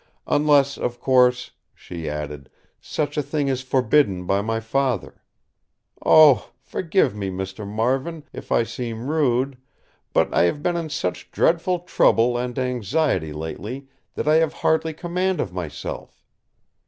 Unless, of course," she added, "such a thing is forbidden by my Father. Oh! forgive me, Mr. Marvin, if I seem rude; but I have been in such dreadful trouble and anxiety lately, that I have hardly command of myself."